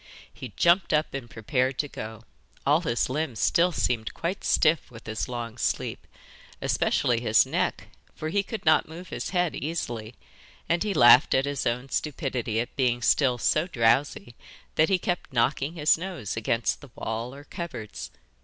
He jumped up and prepared to go: all his limbs still seemed quite stiff with his long sleep, especially his neck, for he could not move his head easily, and he laughed at his own stupidity at being still so drowsy that he kept knocking his nose against the wall or cupboards.